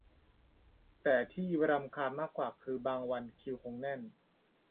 แต่ที่รำคาญมากกว่าคือบางวันคิวคงแน่น